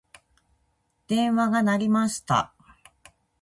電話が鳴りました。